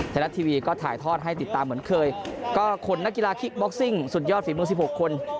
ไทยรัฐทีวีก็ถ่ายทอดให้ติดตามเหมือนเคยก็คนนักกีฬาคิกบ็อกซิ่งสุดยอดฝีมือสิบหกคน